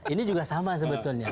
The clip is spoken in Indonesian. ini juga sama sebetulnya